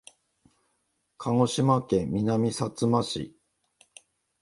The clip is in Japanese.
鹿児島県南さつま市